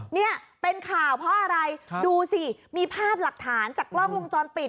เนี่ยเป็นข่าวเพราะอะไรดูสิมีภาพหลักฐานจากกล้องวงจรปิด